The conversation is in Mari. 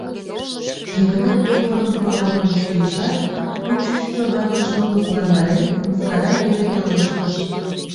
Йыгнат тувырым проворын чийышат, ончычсо ватыжым лыпландарен, мыскара йӧре пелештыш: